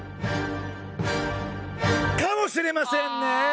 かもしれませんね！